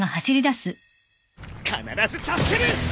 必ず助ける！